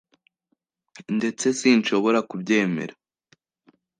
ndetse sinshobora kubyemera